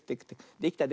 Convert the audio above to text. できた。